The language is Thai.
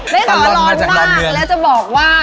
นี่คือว่าร้อนมากแล้วจะบอกว่า